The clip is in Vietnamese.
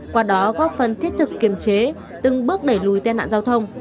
qua đó góp phần thiết thực kiềm chế từng bước đẩy lùi tai nạn giao thông